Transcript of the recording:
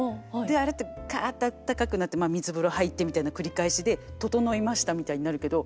あれってカッとあったかくなって水風呂入ってみたいな繰り返しで整いましたみたいになるけど。